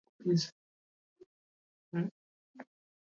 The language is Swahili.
Huduma za jamii na kuwapatia mikopo ya elimu ya juu wanafunzi wa Vyuo Vikuu